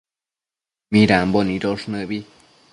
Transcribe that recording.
midambo nidosh nëbi